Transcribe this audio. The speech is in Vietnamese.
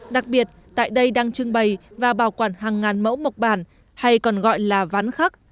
đặc biệt tại đây đang trưng bày và bảo quản hàng ngàn mẫu mộc bản hay còn gọi là ván khắc